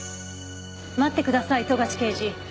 待ってください富樫刑事。